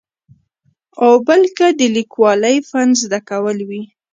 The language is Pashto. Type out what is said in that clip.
او بل که د لیکوالۍ فن زده کول وي.